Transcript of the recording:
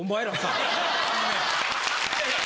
いやいや。